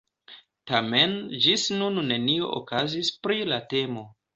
Tamen ĝis nun nenio okazis pri la temo.